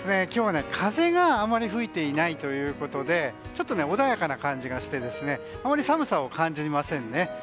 今日は風があまり吹いていないということで穏やかな感じがしてあまり寒さを感じませんね。